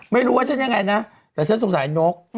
ไม่รู้ว่าฉันยังไงนะแต่ฉันสงสัยนก